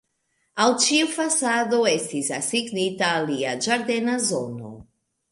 Al ĉiu fasado estis asignita alia ĝardena zono.